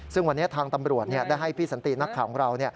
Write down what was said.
ซึ่งวันนี้ทางตำรวจได้ให้พี่สันตินักข่าวของเรา